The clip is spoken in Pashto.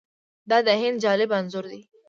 دا د هند جالب انځور دی.